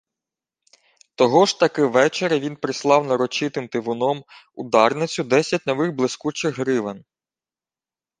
Того ж таки вечора він прислав нарочитим тивуном у Дарницю десять нових блискучих гривен.